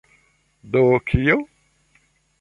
Do kio?